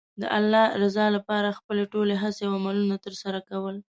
د الله رضا لپاره خپلې ټولې هڅې او عملونه ترسره کول.